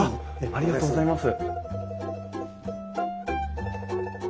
ありがとうございます。